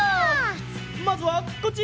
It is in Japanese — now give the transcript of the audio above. まずはこっち！